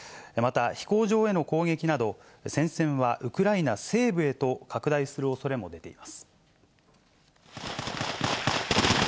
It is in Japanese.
また飛行場への攻撃など、戦線はウクライナ西部へと拡大するおそれも出ています。